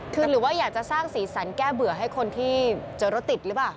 คือหรือว่าอยากจะสร้างสีสันแก้เบื่อให้คนที่เจอรถติดหรือเปล่า